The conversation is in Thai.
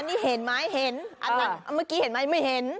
นี่เห็นไหมเห็นอันนั้นเมื่อกี้เห็นไหมไม่เห็น